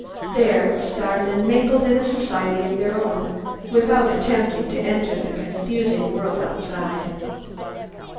There, starmen mingled in a society of their own, without attempting to enter the confusing world outside.